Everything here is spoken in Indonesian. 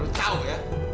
lu tau ya